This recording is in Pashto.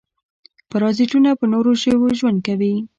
پرازیتونه په نورو ژویو ژوند کوي